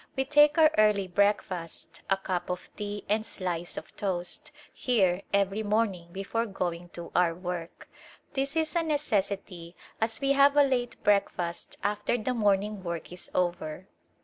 We take our early breakfast — a cup of tea and slice of toast — here every morning before going to our work. This is a ne cessity as we have a late breakfast after the morning work is over.